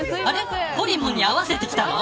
もんに合わせてきたの。